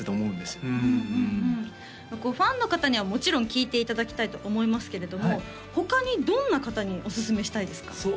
うんうんファンの方にはもちろん聴いていただきたいと思いますけれども他にどんな方におすすめしたいですか？